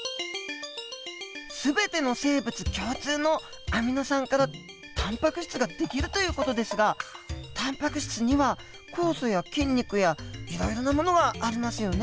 全ての生物共通のアミノ酸からタンパク質ができるという事ですがタンパク質には酵素や筋肉やいろいろなものがありますよね？